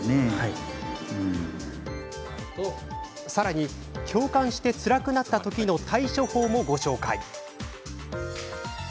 さらに共感してつらくなった時の対処法もご紹介。